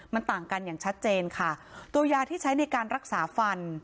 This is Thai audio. มันต่างกันอย่างชัดเจนค่ะตัวยาที่ใช้ในการรักษาฟัน